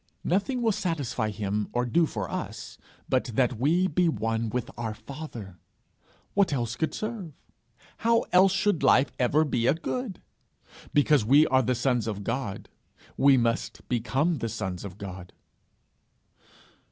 Nothing will satisfy him, or do for us, but that we be one with our father! What else could serve! How else should life ever be a good! Because we are the sons of God, we must become the sons of God.